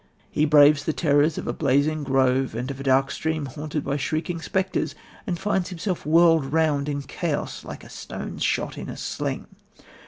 He braves the terrors of a blazing grove and of a dark stream haunted by shrieking spectres, and finds himself whirled round in chaos like a stone shot in a sling.